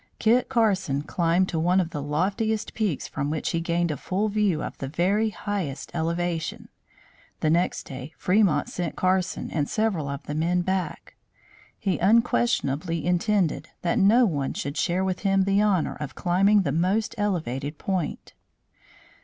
Kit Carson climbed to one of the loftiest peaks from which he gained a full view of the very highest elevation. The next day Fremont sent Carson and several of the men back. He unquestionably intended that no one should share with him the honor of climbing the most elevated point.